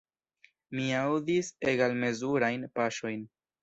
Mi aŭdis egalmezurajn paŝojn.